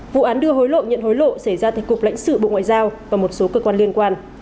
vụ án đưa hối lộ nhận hối lộ xảy ra tại cục lãnh sự bộ ngoại giao và một số cơ quan liên quan